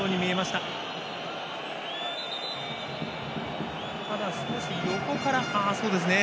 ただ少し横から。